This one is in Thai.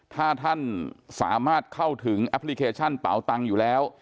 ถ้าท่านสามารถเข้าถึงแอปพลิเคชันเป๋าตังค์อยู่แล้ว